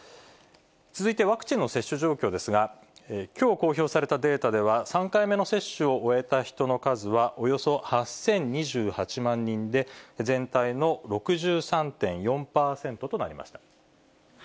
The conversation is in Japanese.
続いてワクチンの接種状況ですが、きょう公表されたデータでは、３回目の接種を終えた人の数は、およそ８０２８万人で、全体の６３．４％となりました。